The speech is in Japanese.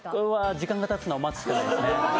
時間がたつのを待つしかないです。